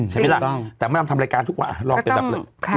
ใช่ไหมล่ะแต่ไม่ต้องทำรายการทุกวัน